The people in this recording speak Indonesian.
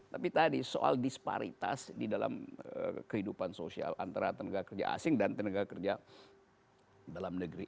tapi tadi soal disparitas di dalam kehidupan sosial antara tenaga kerja asing dan tenaga kerja dalam negeri